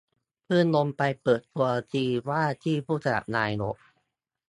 เพิ่งลงไปเปิดตัวทีมว่าที่ผู้สมัครนายก